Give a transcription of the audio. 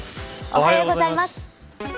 おはようございます。